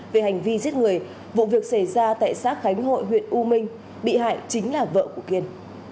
về hành vi giết người vụ việc xảy ra tại xã khánh hội huyện u minh bị hại chính là vợ của kiên